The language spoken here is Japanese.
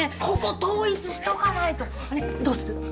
ここ統一しとかないとねっどうする？